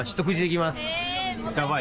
やばい！